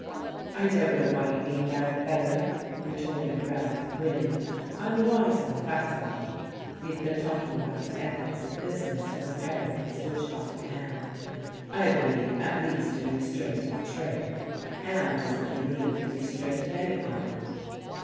"I don't know what you mean by 'better,'" retorted Ralph, grinning. "I'm wiser, that's all." (We had been talking about the ethics of business when Perry had switched off to Ham.) "I believe, at least, in restraint of trade. Ham doesn't believe in restraint of any kind."